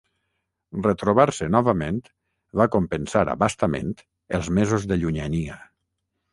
Retrobar-se novament va compensar a bastament els mesos de llunyania.